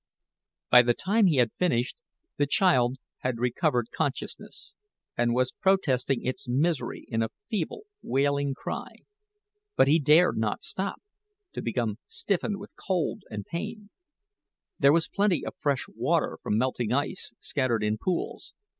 By the time he had finished, the child had recovered consciousness, and was protesting its misery in a feeble, wailing cry. But he dared not stop to become stiffened with cold and pain. There was plenty of fresh water from melting ice, scattered in pools.